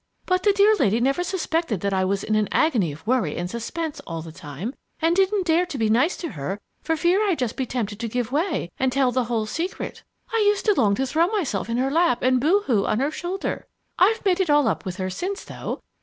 But the dear lady never suspected that I was in an agony of worry and suspense all the time, and didn't dare to be nice to her for fear I'd just be tempted to give way and tell the whole secret. I used to long to throw myself in her lap and boo hoo on her shoulder! I've made it all up with her since, though!